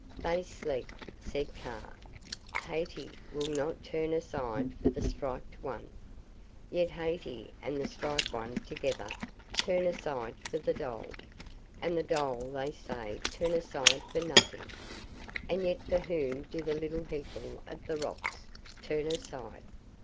"They sleep," said Kaa. "Hathi will not turn aside for the Striped One. Yet Hathi and the Striped One together turn aside for the dhole, and the dhole they say turn aside for nothing. And yet for whom do the Little People of the Rocks turn aside?